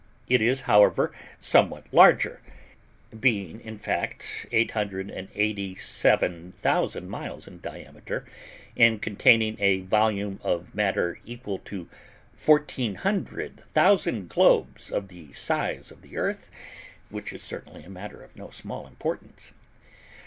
It is, however, somewhat larger, being in fact 887,000 miles in diameter, and containing a volume of matter equal to fourteen hundred thousand globes of the size of the Earth, which is certainly a matter of no small importance.